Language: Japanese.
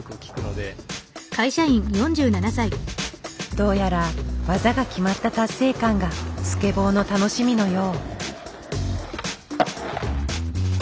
どうやら技が決まった達成感がスケボーの楽しみのよう。